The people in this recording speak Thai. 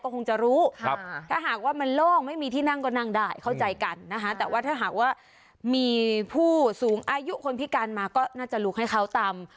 คงจะรู้ถ้าหากว่ามันโล่งไม่มีที่นั่งก็นั่งได้เข้าใจกันนะคะแต่ว่าถ้าหากว่ามีผู้สูงอายุคนพิการมาก็น่าจะลุกให้เขาตำ